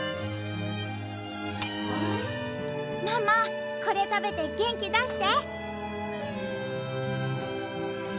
ママこれ食べて元気出して！